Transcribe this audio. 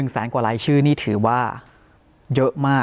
๑แสนกว่ารายชื่อนี่ถือว่า